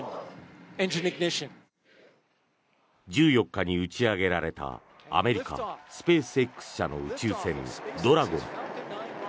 １４日に打ち上げられたアメリカ、スペースＸ社の宇宙船ドラゴン。